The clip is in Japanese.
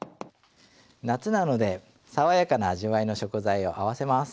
夏なので爽やかな味わいの食材を合わせます。